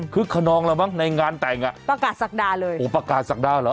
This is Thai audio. คนนองแล้วมั้งในงานแต่งอ่ะประกาศศักดาเลยโอ้ประกาศศักดาเหรอ